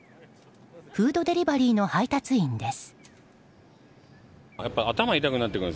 フードデリバリーの配達員です。